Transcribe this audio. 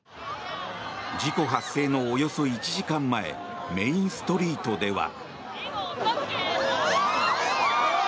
事故発生のおよそ１時間前メインストリートでは。